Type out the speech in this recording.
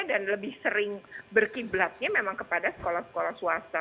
dan lebih sering berkiblatnya memang kepada sekolah sekolah swasta